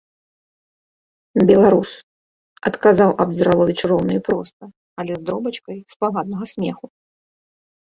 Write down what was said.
— Беларус, — адказаў Абдзіраловіч роўна і проста, але з дробачкай спагаднага смеху.